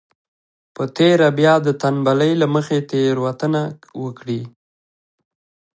په تېره بيا د تنبلۍ له مخې تېروتنه وکړي.